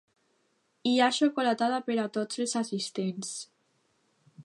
Hi ha xocolatada per a tots els assistents.